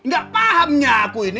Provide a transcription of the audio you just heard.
gak pahamnya aku ini